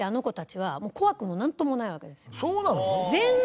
そうなの？